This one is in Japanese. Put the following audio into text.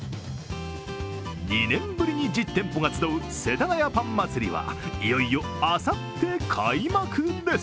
２年ぶりに実店舗が集う世田谷パン祭りはいよいよあさって開幕です。